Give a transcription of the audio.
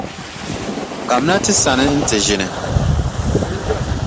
Kamina ti sani nti ʒini.